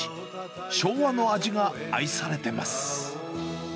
昭和の味が愛されてます。